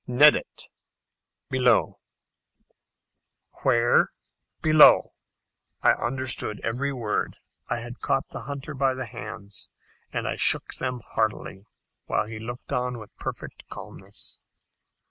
"Nedat." ("Below.") "Where? below!" I understood every word. I had caught the hunter by the hands, and I shook them heartily, while he looked on with perfect calmness.